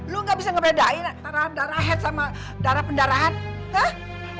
lu gak bisa ngebedain antara darah head sama darah pendarahan teh